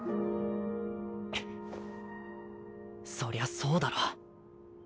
ふっそりゃそうだろ。